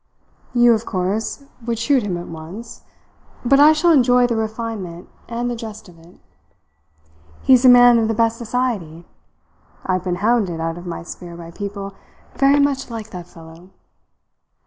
You, of course, would shoot him at once, but I shall enjoy the refinement and the jest of it. He's a man of the best society. I've been hounded out of my sphere by people very much like that fellow.